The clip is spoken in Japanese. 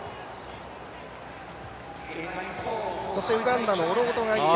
そしてウガンダのオロゴト選手。